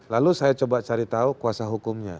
lalu saya coba cari tahu kuasa hukumnya